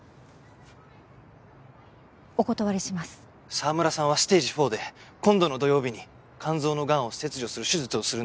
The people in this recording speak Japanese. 澤村さんはステージ４で今度の土曜日に肝臓のがんを切除する手術をするんです。